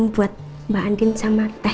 buat mbak andin sama teh